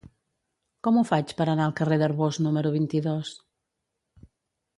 Com ho faig per anar al carrer d'Arbós número vint-i-dos?